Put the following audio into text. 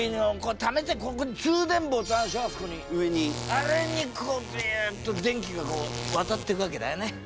あれにこうビュッと電気がこう渡ってくわけだよね。